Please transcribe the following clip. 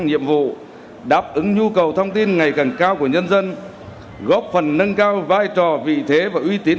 nhiệm vụ đáp ứng nhu cầu thông tin ngày càng cao của nhân dân góp phần nâng cao vai trò vị thế và uy tín